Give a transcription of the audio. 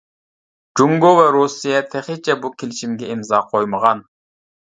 جۇڭگو ۋە رۇسىيە تېخىچە بۇ كېلىشىمگە ئىمزا قويمىغان.